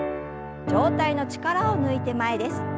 上体の力を抜いて前です。